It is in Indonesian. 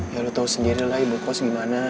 ya lo tau sendiri lah ibu kos gimana